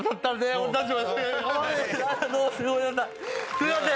すいません。